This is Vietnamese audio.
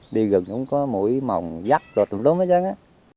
đi gần cũng có mũi mồng giắt tụm tốm hết trơn á